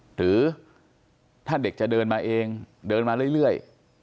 หรือถ้าเด็กจะเดินมาเองเดินมาเรื่อย